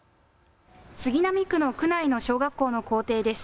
杉並区の区内の小学校の校庭です。